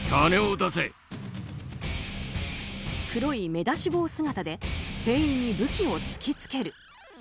黒い目出し帽姿で店員に武器を突きつける。